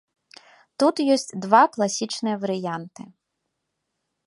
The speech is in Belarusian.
Тут ёсць два класічныя варыянты.